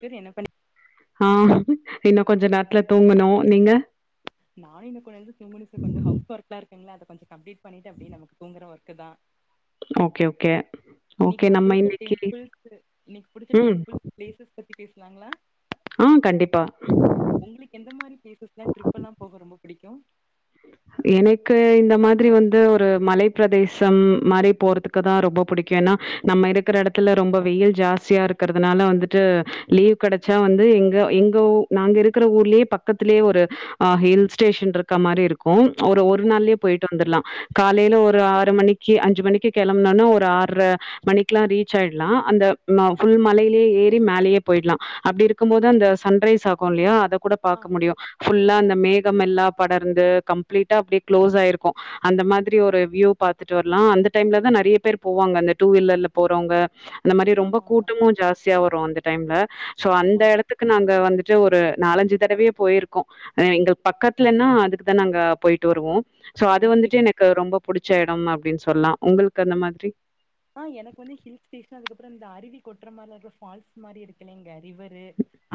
[unintelligible] என்ன பண்ணி ஆ, இன்னு கொஞ்ச நேரத்துல தூங்கணு நீங்க [unintelligible] கொஞ்ச ஹவுஸ் ஒர்க்லாருக் ங்களா அத கொஞ்சோ கம்ப்ளீட் பண்ணிட்டு அப்டியே நமக்கு தூங்கத வரு க்குதான் ஓகே ஓகே இன்னைக்கு ஓகே நம நம்ம பிடிச்ச இன்னைக்கு டெம்பிள்ஸ் இன்னைக்கு பிடிச்ச ம். டெம்பிள்ஸ் பிளேசஸ் பத்தி பேசலாங்களா ஆ கண்டிப்பா. உங்களுக்கு எந்த மாதிரி பிலேசஸ் எல்லாம் ட்ரிப் எல்லாம் போக ரொம்ப பிடிக்கும் எனக்கு இந்த மாதிரி வந்து ஒரு மலை பிரதேசம் மாதிரி போறதுக்குதான் ரொம்ப பிடிக்கும் ஏன்னா நம்ம இருக்கிற இடத்துல ரொம்ப வெயில் ஜாஸ்தியா இருக்கிறதுனால வந்துட்டு லீவ் கிடைச்சா வந்து எங்க எங்கஊ நாங்க இருக்கிற ஊர்லயே பக்கத்தலேயே ஒரு அஹ் ஹில் ஸ்டேஷன் இருக்க மாறி இருக்கும் கோன் ஒரு ஒரு ஓக் நாள்லே போயிட்டு வந்துர்லாம் காலைல ஓக் ஒரு ஆறு மணிக்கு அஞ்சு மணிக்கு கிளம்னோனா ஒரு ஆர்றமணிக்குலா ரீச் ஆய்ட்லாம் அந்த புல் மலையிலேயே ஏறி மேலேயே போய்ட்லாம் அப்டி இருக்கும் போது அந்த சன்ரைஸ் ஆகுல்லையா அத கூட ஆ பாக்க முடியும் ஃபுல்லா அந்த மேகம் எல்லாம் படர்ந்து கம்ப்ளீட்டா அப்டியே க்ளோஸ் ஆயிருக்கும் அந்த மாதிரி ஒரு வியூ பாத்துட்டு வரலாம் அந்த டைம்லதான் நிறைய பேர் போவாங்க அந்த டூ வீலர்ல போறவங்க அந்த மாதிரி ரொம்ப ஆமா ஆமா கூட்டமும் ஜாஸ்தியா வரும் அந்த டைம்ல சோ அந்த ஆமா இடத்துக்கு நாங்க வந்துட்டு ஒரு நாலஞ்சு தடவையே போயிருக்கோம் எங்கள் பக்கத்துலன்னா அது நாங்க போயிட்டு வருவோம் சோ அது ஓகே வந்துட்டு எனக்கு ரொம்ப புடிச்ச இடம் அப்டின்னு சொல்லாம் உங்களுக்கு அந்த மாதிரி ஆஹ் எனக்கு வந்து ஹில் ஸ்டேஷன் அதுக்கப்பறம் இந்த அருவி கொட்டுற மாதிரி இருக்கற ஃபால்ஸ் மாதிரி இருக்குலங்க ரிவரு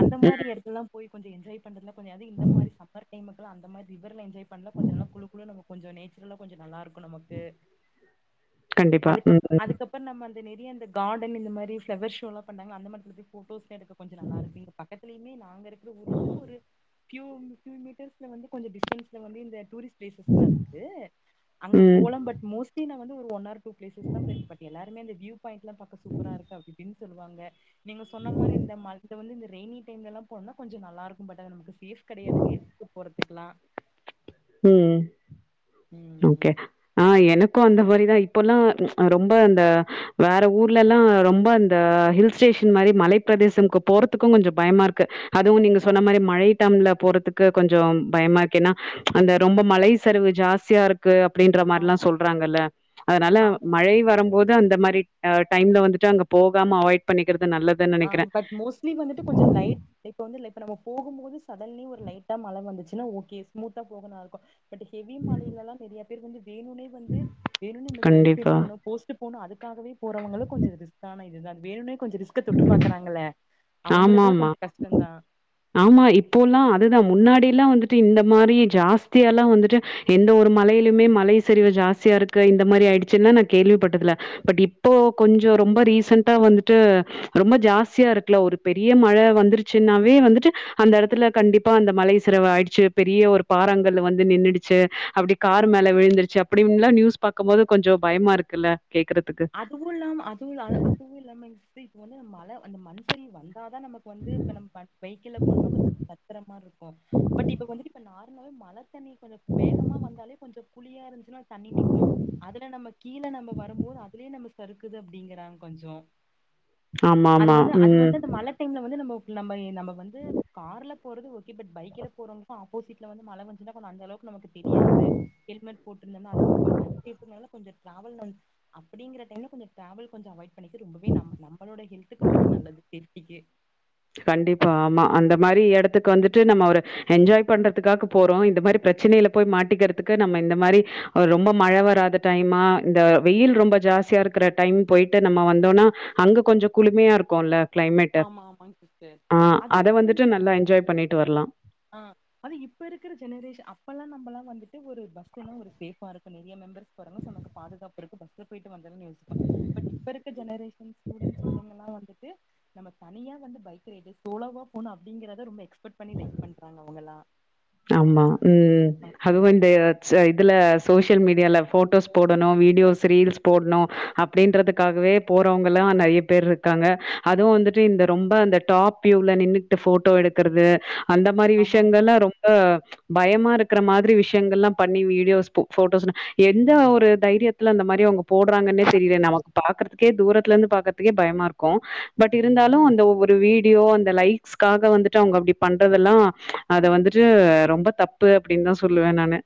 அந்த ம் மாதிரி இடத்துலாம் போய் கொஞ்சம் என்ஜாய் பண்றது கொஞ்சம் அத இந்த மாதிரி சம்மர் டைம் அந்த மாறி ரிவர்ல என்ஜாய் பண்ண கொஞ்ச நாள் குழு குழு நம் கொஞ்ச நேச்சு இன்னோ கொஞ்சம் நல்ல இருக்கும் நமக்கு கண்டிப்பா ம் அதுக்கப் நம்ம அந்த நேரிய அந்த கார்டன் இந்த மாதிரி நேரிய பிலோவேர் ஷோலாம் பண்ணா அந்த மாதி போட்டோஸ் எடுக்க கொஞ்சம் நல்லா இருக்குங்க பக்கத்திலேயே நான் ங்க இருக்கிற ஊர்லந்து ஒரு ஃபியூ மீட்டர்ஸ்ல வந்து கொஞ்சம் டிஸ்டன்ஸ்ல வந்து இந்த டூரிஸ்ட் பிலேசஸ்லா இருக்கு ம் அங்க ம் போலாம் பட் மோஸ்ட்லி நான் வந்து ஒன் ஆர் டு பிலேசஸ் [unintelligible] எல்லாருமே அந்த வியூ பாய்ண்ட்லாம் பாக்க சூப்பரா இருக்கு அப்டி இப்டின்னு சொல்லுவாங்க நீங்க சொன்ன மாதிரி இந்த மந்த் வந்து ஈவினிங் டைம்ல எல்லாம் போனா கொஞ்சம் நல்லா இருக்கும் பட் அது நமக்கு சேஃப் கிடையாது [unintelligible] போறதுக்கலாம் ம் ஓகே ம் ஆஹ் எனக்கும் அந்த இதுமாறிதான் இப்ப எல்லாம் ரொம்ப அந்த வேற ஊர்ல எல்லாம் ரொம்ப அந்த ஹில் ஸ்டேஷன் மாதிரி மலைப்ப பிரதேசம்க்கு போறதுக்கும் கொஞ்சம் பயமா இருக்கு அதுவும் நீங்க சொன்ன ஆம் மாரி மழை டம்ல போறதுக்கு கொஞ்சோ பயமாருக்கு ஏன்னா அந்த ரொம்ப மலை சரிவு ஜாஸ்தியாருக் கு அப்டின்ற மாரில்லா ஆமா சொல்றாங்கல்ல அதுனால ஆமா மழை வரும்போ து அந்த மாரி அ டைம்ல வந்துட்டு அங்க போகாம அவாய்ட் பண்ணிக்கற ஆஹ் பட் மோஸ்ட்லி வந்துட்டு கொஞ்ச லைட் இப்ப வந்து ல இப்ப நம்ம போகும்போது பகல்லயு ஒரு லைட்டா மழ வந்துச் சுனா ஓகே ஸ்மூத்தா போக நல்லார்க்கு பட் ஹெவி மழைலல்லா நெறய பேர் வந்து வேணுனே வந்து வேணு நம்ம செல்ஃபி கண்டிப்பா. எடுக்கணு போஸ் போனு அதுக்காகவே போறவங்களுக் கொஞ்சோ ரிஸ்க்கான இது தா வேணுனே கொஞ்ச க்க தொட்டு பாக்கறாங்கல்ல ஆமா ஆமா ஆமா இப்போல்லா அது தா முன் னாடில்லா வந்துட்டு இந்த மாரி ஜாஸ்தியால்லா வந்துட்டு எந்த ஒரு மலையிலுமே மலை சரிவு ஜாஸ்தியா இருக்கு இந்த மாரி ஆயிடுச்சுன்னு நா கேள்விப்பட்டதில்ல பட் இப்போ கொஞ்சோ ரொம்ப ரீசண்ட்டா வந்துட்டு ரொம்ப ஜாஸ்தியா இருக் க்குல ஒரு பெரிய மழ வந்துருச்சுன்னாவே வந்துட்டு அந்த இடத்துல கண்டிப்பா அந்த மலை சரிவு ஆயிடுச்சு பெரிய ஒரு பாரங்கள் வந்து நின்னுடுச்சு அப்டி ஆ கார் மேல விழுந்துருச்சு அப் அப்படின்ல்லா நியூஸ் பாக்கும்போது கொஞ்சோ பயமா இருக்குல்ல கேட்கறதுக்கு. அதுவுல்லாம அவுங்குள அது அதுவுல்லாம [unintelligible] மழ வந்து அந்த மனு ரி வந்த் அதனால நமக்கு வந்து இப்ப நம் பைக்ல போனம்ன கொஞ்சோ பத்திரமா இருக்கோ பட் இப்ப வந்துட்டு நார்த் [unintelligible] மழ தண்ணி கொஞ்சோ வேகமா வந்தாலே கொஞ்சோ குளியா இருந்துச்சுன்னா தண்ணி நிக்கு அதுல நம்ம கீழ நம்ம வரும்போது இதுலயே நம்ம சறுக்குது அப்டிங்கிறாங்க கொஞ்சோ அது ஆமாமா. வந்து அது ம். வந்து அந்த மழ டைம்ல வந்து நம்ம நம்மை நமக் வந்து கார்ல போறது ஓகே பட் பைக்ல போறவங்களுக் ஆப்போசிட்ல வந்து மழ வஞ்சுனா கொஞ்சோ அந்த அளவுக்கு நமக்கு தெரியாது ஹெல்மெட் போட்டுருந்தம்னா அது நம்மா கொஞ்சோ [unintelligible] கொஞ்சோ நாவல் வந் அப் டிங்குற டைம்ல கொஞ்சோ ட்ராவெல் கொஞ்சோ அவாய்ட் பண் ரது ரொம்பவே நம் நம்மளோட ஹெல்த்துக்கு ரொம்ப நல்லது இக்கி கண்டிப்பா ஆமா அந்த மாரி எடத்துக்கு வந்துட்டு நம்ம ஒரு என்ஜாய் பண்றதுக்காக போறோ இந்த மாதிரி பிரச்சனயில போய் மாட்டிக்கிறதுக்கு நம்ம இந்த மாரி ஒரு ரொம்ப மழ வராத டைமா இந்த வெயில் ரொம்ப ஜாஸ்தியா இருக்கிற டைம் போயிட்டு நம்ம வந்தோம்னா அங்க கொஞ்சம் குளுமையா இருக்கும்ல கிளைமேட்டு. ஆமா ஆமாங் ஆ அதுவு அத நம்மேங்க வந்துட்டு நல்லா சுத்துறது என்ஜாய் பண்ணிட்டு வரலாம். ஆஹ் அது இப்ப இருக்கிற ஜெனரேஷன் அப்பலா நம்மலா வந்துட்டு ஒரு பஸ்னா ஒரு ஸ்சேஃப் இருக்கு நெறய மெம்பர்ஸ் போறங்க சோ நமக்கு பாதுகாப்ருக்கு பஸ்ல போயிட்டு வந்தர்லானு யோசிபோ பட் இப்ப இருக்க ஜெனரேஷன் ஸூடென்ஸ்கெல்லமே வந்துட்டு திஸ் நம்ம தனியா வந்து பைக் ரைடு சோலோவா போணு அப்படிங்கறத ரொம்ப எக்ஸ்பெட் பண்ணி லைக் பண்றாங்க அவங்கெலா ஆமா உம் ம். அதுவுந்த இட்ஸ் இதுல சோசியல் மீடியால போட்டோஸ் போடணு வீடியோஸ் ரீல்ஸ் போட்ணு அப்டின்றதுக்காகவே போறவங்க எல்லா நெறய பேர் இருக்காங்க அதுவு வந்துட்டு இந்த ரொம்ப அந்த டாப் வியூல நின்னுட்டு போட்டோ எடுக்றது அந்த மாரி ஆமாமா. விஷயங்கலா ரொம் பயமா இருக்கற மாதிரி விஷயங்களெல்லா பண்ணி வீடியோஸ் போட்டோஸ் எந்த ஒரு தைரியத்ல அந்த மாரி அவங்க போடுறாங்கன்னே தெரில நமக்கு பாக்கறதுக்கே தூரத்தல இருந்து பாக்கறதுக்கே பயமா இருக்கு பட் இருந்தாலு அந்த ஒவ்வொரு வீடியோ அந்த லைக்ஸ்காக வந்து அவங்க அப்டி பண்றதெல்லா அத வந்து து ரொம்ப தப்பு அப்டின்னு தா சொல்லுவே நானு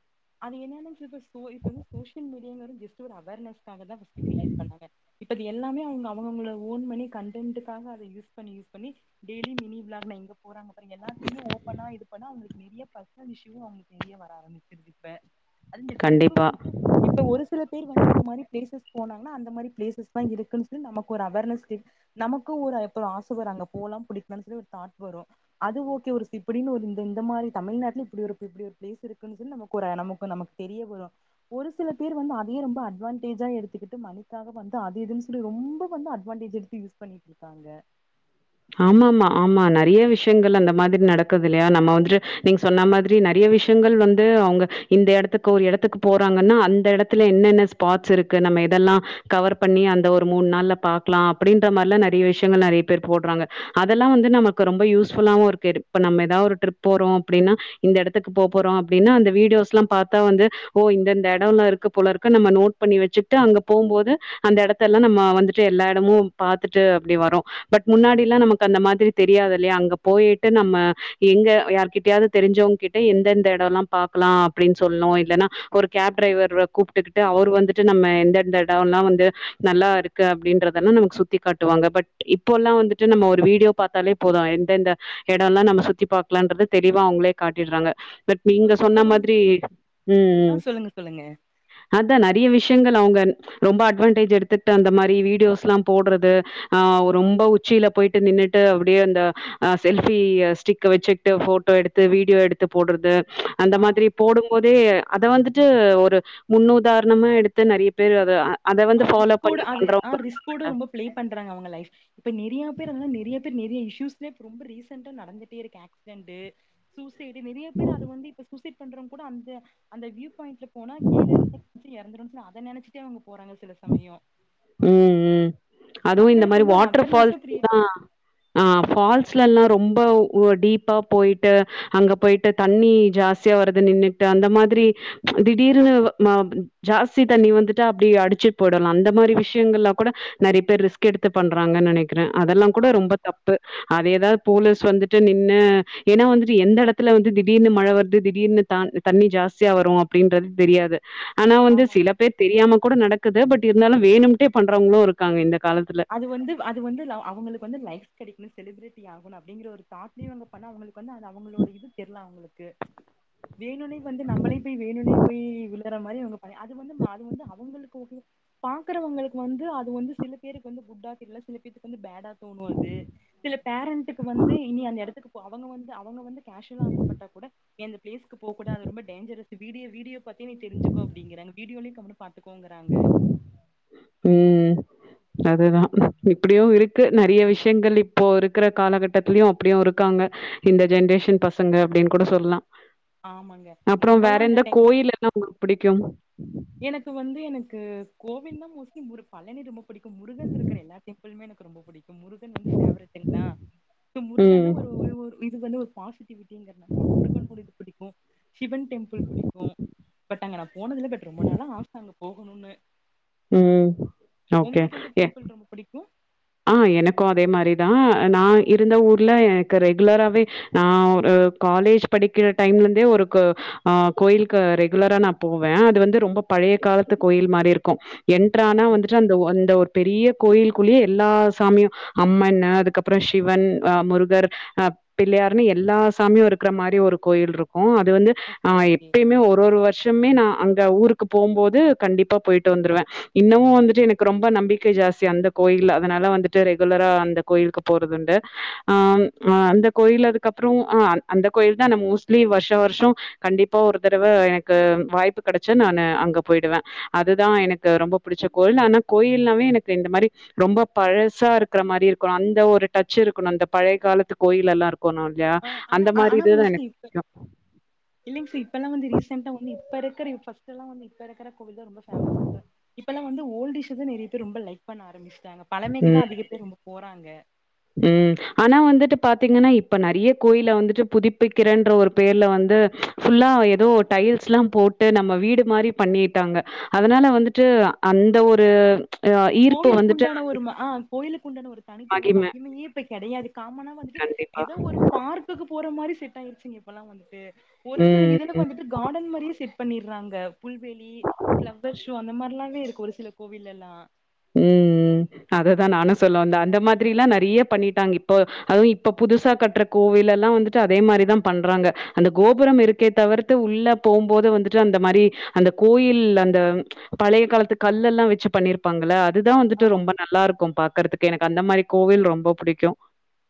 அது என்ன [unintelligible] வந்து சோசியல் மீடியா ன்னுற கெஸ் அவர்னஸ் நாங்க தான் ஃபஸ்ட் கிரியேட் பண்ணதே இப்போதுல்லாமே அவங்க அவங்க அவங்கள ஓன் பண்ணி கண்டென்ட்ககாக அது யூஸ் பண்ணி யூஸ் பண்ணி டெய்லி மினிப்ளாக் நான் எங்க போறாங்க எல்லாத்தையுமே ஓப்பனா இது பண்ணா அவங்க நெறைய பர்சனல் விஷயும் அவங்களுக்கு தெரிய வர ஆரம்பிச்சிருது ப அது இந்த ட்ரிப் கண்டிப்பா வந்து இப்ப ஒரு சில பேர் வந்து இந்த மாதிரி பிளேசஸ் போனாங்கன்னா அந்த மாரி பிளேஸஸ் தான் இருக்குன்னு சொல்லி நமக் ஒரு அவார்னஸ் கெ நமக்கும் வரும் அங்க போலாம் புடிக்கலாம்னு சொல்லி ஒரு தாட் வரும் அது ஓ கே இப்படின்னு ஒரு இந்த இந்த மாரி தமிழ்நாட்டுல இப்படி ஒரு இப்படி ஒரு பிளேஸ் இருக்குன்னு சொல்லி குற நமக்கு நமக்கு தெரிய வரும் ஒரு சில பேர் வந்து அதையே ரொம்ப அட்வான்டேஜா எடுத்துக்கிட்டு மணிக்காக வந்து அது இதுன்னு சொல்லி ரொம்ப வந்து அட்வான்டேஜ் எடுத்து யூஸ் பண்ணிட்டு இருக்காங்க ஆமாம்மா ஆமா நெறைய விஷயங்கள் அந்த மாதிரி நடக்குது இல்லையா நம்ம வந்துட்டு நீங்க சொன்ன மாதிரி நெறைய விஷயங்கள் வந்து அவங்க இந்த எடத்துக்கு ஒரு எடத்துக்கு போறாங்கன்னா அந்த எடத்துல என்னென்ன ஸ்பாட்ஸ் இருக்கு நம்ம எதெல்லாம் கவர் பண்ணி அந்த ஒரு மூணு நாள்ல பாக்கலாம் அப்படின்ற மாதிரல்லாம் நெறைய விஷயங்கள் நெறைய பேர் போடுறாங்க அதெல்லாம் வந்து நமக்கு ரொம்ப யூஸ்புல்லாவும் இருக்கு இப்ப நம்ம ஏதாவது ஒரு ட்ரிப் போறோம் அப்படின்னா இந்த எடத்துக்கு போப்போறோம் அப்படின்னா அந்த வீடியோஸ் எல்லாம் பார்த்தா வந்து ஓ இந்த இந்த எடம்ல இருக்கு போல இருக்க நம்ம நோட் பண்ணி வச்சுிட்டு அங்க போகும்போது அந்த எடத்த எல்லாம் நம்ம வந்துட்டு எல்லா இடமும் பாத்துட்டு அப்படி வரும் பட் முன்னாடி இல்ல நமக்கு அந்த மாதிரி தெரியாது இல்லையா அங்க போயிட்டு நம்ம எங்க யார்கிட்டயாவது தெரிஞ்சவங்க கிட்ட எந்தந்த எடம் எல்லாம் பாக்கலாம் அப்படின்னு சொல்லும் இல்லன்னா ஒரு கேப் டிரைவர கூப்பிட்டுகிட்டு அவர் வந்துட்டு நம்ம எந்தந்த எடம்லாம் வந்து நல்லா இருக்கு அப்படின்றதெல்லாம் நமக்கு சுத்தி காட்டுவாங்க பட் இப்பல்லாம் வந்துட் டு நம்ம ஒரு வீடியோ பாத்தாலே போதும் எந்தெந்த எடம் எல்லாம் நம்ம சுத்தி பாக்கலாம்ன்றது தெளிவா அவங்களே காட்டிறாங்க பட் இப்ப நீங்க இப்ப சொன்ன வந்து மாதிரி ஆ உம் சொல்லுங்க சொல்லுங்க அதான் நெறைய விஷயங்கள் அவங்க ரொம்ப அட்வான்டேஜ் எடுத்துட்டு அந்த மாரி வீடியோஸ்லாம் போட்றது ஆஹ் அவரு ஆ ரொம்ப உ போய்ட்டு நின்னுட்டு அப்படியே அந்த ஆ செல்ஃபி ஸ்டிக்க வச்சுட்டு போட்டோ எடுத்து வீடியோ எடுத்து போட்றது அந்த ஆமா மாதிரி போடும் போதே அத வந்துட்டு ஒரு முன்னுதாரணமா எடுத்து நெறைய பேர் அத அ ஆஹ் ரிஸ்க்கோட ஆ ஆ ரிஸ்க்கோட ரொம்ப பிளே பண்றாங்க அவங்க லைஃப் இப்ப நெறைய பேர் நெறயா பேர் நெறயா இஸ்யூஸ்மே இப்போ ரொம்ப ரீசெண்டா நடந்துட்டே இருக்கு ஆக்சிடென்ட் சூசை டு நிறையா பேர் அது வந்து இப்ப சூசை பண்றவங் கூட அந்த அந்த வியூ பாயிண்ட்ல போனா கீழ இருந்து [inaudible] இறந்துருனு ல்ல அத நினைச்சிட்டே அவுங் உம் உம் அதுவூ இந்த மக்களுக்கு மாரி வந்து ஒரு வாட்டர் அவேர்னஸு பால்ஸ் கிரியேட் எல்லா ஆஹ் ஃபால்ஸ்லல்லா ரொம்போ ஓ டீப்பா போயிட்டு அங்க போயிட்டு தண்ணி ஜாஸ்தியா வருதுன்னு நின்னுட்டு அந்த மாதிரி ப்ச் திடீர்னு நா ஜாஸ்தி தண்ணி வந்துட்டா அப்படி அடிச் போடலா அந்த மாரி விஷயங்கள்லா கூட நிறையா பேர் ரிஸ்க் எடுத்து பண்றாங்கன்னு நினை க்கிற அதெல்லாங் ஆ கூட ரொம்ப தப்பு அதேதா போலீஸ் வந்துட்டு நின்னு ஏனா வந்துட்டு எந்த எடத்துல வந்து திடீர்னு மழ வர்து திடீர்னு த தண்ணி ஜாஸ்தியா வரு அப்படின்றது தெரியாது ஆனா வந்து ஆமாங்க சில பேர் தெரியாம கூட நடக் க்குது பட் இருந்தாலு வேணும்ட்டே பண்றவங்களூ இருக்காங்க இந்த காலத்துல. அது வந்து அது வந்து அவுங்களுக் வந்து லைஃப் கெடைக்குனு செலிபிரெட்டி ஆகனு அப்பிடிங்கிற ஒரு ஸ்டாட்லியே இவங் பண்ணா அவுங்களுக்கு வந்து அது அவங்குளோட இது தெரியலா அவுங்களுக் க்கு வேணுனே வந்து நம்மளே போய் வேணுனே போய் விளற மா ந்த மாரி அவுங் பண் அது வந்து அது வந்து அவுங்களுக்கு ஓக்கே பாக்கறவங்களுக்கு வந்து அது வந்து சில ல பேருக்கு வந்து குட்டா தெரிலா சில பேத்துக்கு வந்து பேடா தோணு அது சில பேரண்டுக்கு வந்து இனி அந்த எடத்துக் போ அவுங்க வந்து அவுங்க வந்து கேஷ்யூலா ஆசப்பட்டா கூட ஃப்லேஸ்க்கு போ கூடாது ரொம்ப டஞ்சரஸ் வீடி வீடியோ பத்தி நீ தெரிஞ்சுக்கோ அப்டிங்கிறாங் வீடியோலயே கவனமா பாத்துக்கோங்குறாங்க உம் அதுதா இப்புடியு இருக்கு நெறயா விஷயங்கள் இப்போ இருக்குற காலகட்டத்திலயு அப்டியு இருக்காங்க இந்த ஜென்ரேஷன் பசுங்க அப்டின் கூட சொல்லலா ஆமாங்க அப்புறோ வேற நம்பல்லா அந்த எந்த டைம் கோயில் எல்லா உங்குளுக் புடிக்கூ எனக்கு வந்து எனக்கு கோவில்னா மோஸ்ட்லி முரு பழனி ரொம்ப புடிக்கும் முருகன் இருகிற எல்லா டெம்பிள்மே எனக் ரொம்போ புடிக் முருகன் வந்து ஃபேவரிட்ங்களா முருகன்னா ம். ஒரு ஒரு இது வந்து பாசிட்டிவிட்டிங்கிறனால ஒரு முருகனோட இது புடிக்கூ சிவன் டெம்பிள் புடிக்கூ பட் அங்க நா போனதில்ல பட் ரொம்ப நாளா ஆச அங்க போ குணுனு உம் ஓகே ஏ டெம்பிள் ரொம்ப பிடிக்கு? ஆ எனக்கு அதே மாரிதா நா இருந்த ஊர்ல எனக்கு ரெகுலராவே நா ஒரு காலேஜ் படிக்கிற டைம்லருந்தே ஒரு கு அ, கோயில்க்கு ரெகுலரா நா போவே அது வந்து ரொம்ப பழைய காலத்து கோயில் மாரி இருக்கு என்ட்ரானா ஓகே. வந்துட்டு அந்த ஒ அந்த ஒரு பெரிய கோயிலுக்குள்ளே எல்லா சாமியு அம்மன்னு அதுக்கப்பறோ ஷிவன் அஹ் முருகர் அஹ் பிள்ளையார்ன்னு எல்லா சாமியு இருக்கற மாரி ஒரு கோயில்ருக் கு அது வந்து ஓகே, ஆஹ் ஓகே. எப்பயுமே ஒரு ஒரு வர்ஷம்மே நா அங்க ஊருக்கு போம்போது கண்டிப்பா போய்ட்டு வந்துருவே இன்னுமு வந்துட்டு எனக் ரொம்ப நம்பிக்க ஜாஸ்தி அந்த கோயில்ல அதனால வந்துட்டு ரெகுலரா அந்த கோயில்க்கு போறதுண்டு ஆம் அ அந்த கோயில் அதுக்கப்பறோ ஆ அந் அந்த கோயில் தா நா மோஸ்ட்லி வர்ஷ வர்ஷோ கண்டிப்பா ஒரு தடவ எனக்கு வாய்ப்பு கெடச்சா நானு அங்க போயிடுவே அது தா எனக்கு ரொம்ப பிடிச்ச கோயில் ஆனா கோயில்னாவே எனக்கு இந்த மாரி ரொம்ப பழசா இருக்கற மாரி இருக்கணு அந்த ஒரு டச் இருக்கணு அந்த பழைய காலத்து கோயில் எல்லா இருக் அஹ் அனா அ ஆனா மோஸ்லீ இப்ப பிடிக்கும். இல்லைங்சீ இப்பல்லா வந்து ரீசன்டா ஒன்னு [unintelligible] ப்பருக்கற [unintelligible] ஃபஸ்டெல்லா வந்து இப்ப இருக்கற கோவில் தா ரொம்ப ஃபேமஸ்ஸுங்க இப்பல்லா வந்து ஓல்டிஷு தா நெறயா பேர் ரொம்ப லைக் பண்ண ஆரம்பிச் டாங்க பழமைக்கு தா அதிக பேர் ரொம்ப போறாங்க உம் ஆனா வந்துட்டு பாத்தீங்கன்னா இப்ப நறிய கோயில வந்துட்டு புதுப்பிக்கிறன்ற ஒரு பேர்ல வந்து ஃபுல்லா ஏதோ டைல்ஸ்ல்லா போட்டு நம்ம வீடு மாரி பண்ணிட்டாங்க அதனால வந்துட்டு அந்த ஒரு அ ஈர்ப்பு வந்துட்டு கோவிலுக்குண்டான ஒரு ம ஆஹ், கோயிலுக்குண்டான ஒரு தனித்துவோ ஆகிமே மகி மயே இப்ப கெடையாது காமனா வந்துட்டு கண்டிப்பா. எதோ ஒரு பார்க்குக்கு போற மாரி செட்டாயிருச்சுங்க இப்பெல்லா வந்துட்டு ஒரு சில ம். இதுல வந்துட்டு காடன் மாரியே செட் பண்ணிர்றாங்க புல்வெளி ஃபிளவர் ஷோ அந்த மாரில்லாவே இருக்கு ஒரு சில கோவிலெல்லா உம் உம் அத தா நானு சொல்ல வந்தே அந்த மாதிரில்லா நெறைய பண்ணிட்டாங்க இப்போ அதுவு இப்ப புதுசா கட்ற கோவில் எல்லா வந்துட்டு அதே மாரி தா பண்றாங்க அந்த கோபுரம் இருக்கே தவர்த்து உள்ள போம்போது வந்துட்டு அந்த மாரி அந்த கோயில் அந்த பழைய காலத்து கல்லெல்லா வெச்சு பண்ணிருப் பாங்கல்ல அது தா வந்துட்டு ஆமா ரொம்ப நல்லாருக்கு பா க்கறதுக்கு எனக்கு அந்த மாரி கோவில் ரொம்ப புடிக்கு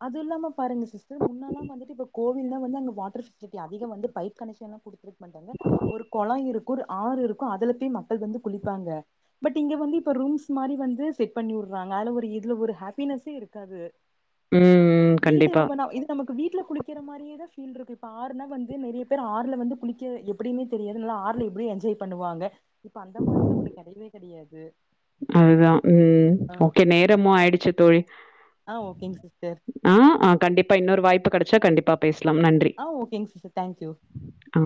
அது இல்லாம பாருங்க சிஸ்டர் முன்னல்லா வந்துட்டு [unintelligible] வந்து அங்க வாட்டர் [inaudible] சிட்டி அதிக வந்து பைப் கனெக்ஷனு குடுத்துருக் மாட்டாங்க ஒரு கொளோ இருக் ஒரு ஆறு இருக்கு அதுல போய் மக்கள் வந்து குளிப்பாங்க பட் இங்க வந்து இப்ப ரூம்ஸ் மாரி வந்து செட் பண்ணி உட்றாங்க அதுல ஒரு இதுல ஒரு ஹேப்பினஸ்ஸே இருக்காது உம் ம் வீடு கண்டிப்பா நம்ம ந இது நமக்கு வீட்ல குளிக்கற மாரியே தா ஃபீல்ருக்கு இப்ப ஆறுனா வந்து நெறைய பேர் ஆறுல வந்து குளிக்க எப்டினே தெரியாது நல்லா ஆறுல எப்படி என்ஜாய் பண்ணுவாங்க இப்ப அந்த மாரில்லா ஒன்னு கெடையவே கெடையாது து அது தா உம் ஓகே நேரமு ஆயிடிச்சு தோழி ஆ ஓகேங்க சிஸ்டர் ஆஹ் ஆஹ் கண்டிப்பா இன்னோரு வாய்ப்பு கெடச்சா கண்டிப்பா பேஸ் ஆஹ் ஓகேங் சிஸ்டர் தங்க்யூ ஆ.